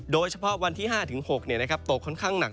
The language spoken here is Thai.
โดยเฉพาะวันที่๕๖ตกค่อนข้างหนัก